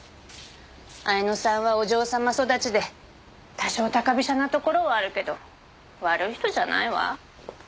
彩乃さんはお嬢様育ちで多少高飛車なところはあるけど悪い人じゃないわ。